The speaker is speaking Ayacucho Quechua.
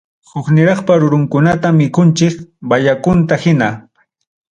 Hukniraqpa rurunkunata mikunchik, bayakunta hina.